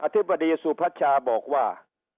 ธิบดีสุพัชชาบอกว่า